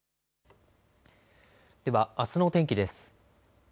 では、あすの天気です。